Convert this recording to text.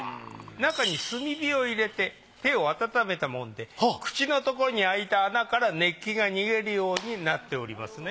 中に炭火を入れて手を温めたもんで口のとこに開いた穴から熱気が逃げるようになっておりますね。